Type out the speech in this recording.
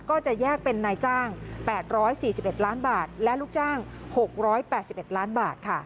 ก็จะแยกเป็นนายจ้าง๘๔๑ล้านบาทและลูกจ้าง๖๘๑ล้านบาทค่ะ